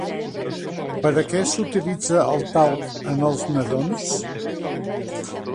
Per a què s'utilitza el talc en els nadons?